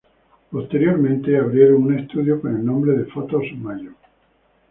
Posteriormente abrieron un estudio con el nombre de Fotos Mayo.